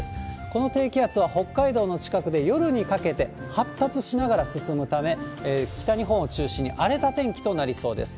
この低気圧は北海道の近くで夜にかけて、発達しながら進むため、北日本を中心に荒れた天気となりそうです。